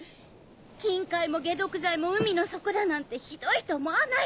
金塊も解毒剤も海の底だなんてひどいと思わない？